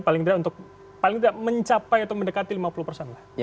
paling tidak mencapai atau mendekati lima puluh persen